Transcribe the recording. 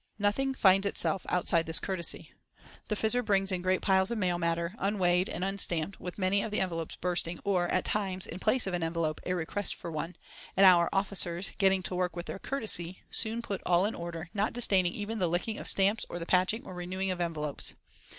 Nothing finds itself outside this courtesy. The Fizzer brings in great piles of mail matter, unweighed and unstamped, with many of the envelopes bursting or, at times, in place of an envelope, a request for one; and "our officers," getting to work with their "courtesy," soon put all in order, not disdaining even the licking of stamps or the patching or renewing of envelopes.